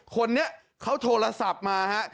คนนี้เขาโทรศัพท์มาฮะ